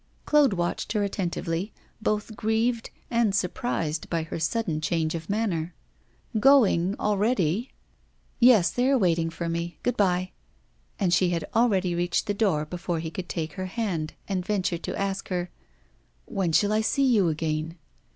Claude watched her attentively, both grieved and surprised by her sudden change of manner. 'Going already?' 'Yes, they are waiting for me. Good bye.' And she had already reached the door before he could take her hand, and venture to ask her: 'When shall I see you again?